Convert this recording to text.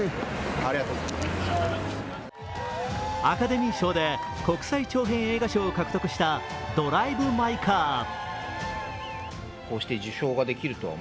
アカデミー賞で国際長編映画賞を獲得した「ドライブ・マイ・カー」。